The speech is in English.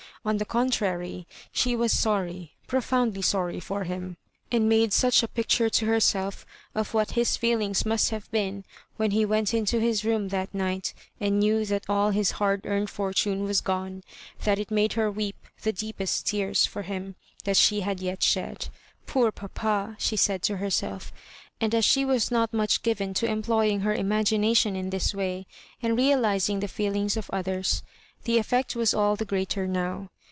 On the contrary she was ■iliuiij, profoundly sorry for him, and niade sudi a picture to herself of what his feelings must have been, when he went mto his room that night and knew that all his hard earned fortime was gone, that it made her weep the deepest tears for him that she had yet shed. " Poor papa 1 " she said to herself ; and as she was not much given to employing her imagination in this way, and real ising the feelhog of others, the effect was all the greater now.